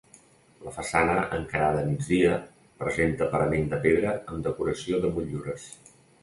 La façana encarada a migdia presenta parament de pedra amb decoració de motllures.